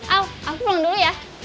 oh aku pulang dulu ya